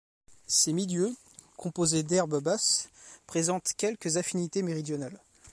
Ces milieux, composés d'herbes basses, présentent quelques affinités méridionales.